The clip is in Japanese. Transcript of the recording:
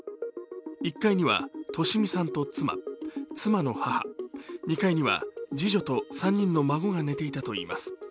１階には利美さんと妻、妻の母、２階には次女と３人の孫が寝ていたといいます。